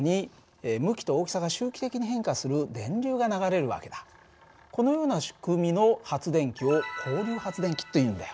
するとこのような仕組みの発電機を交流発電機というんだよ。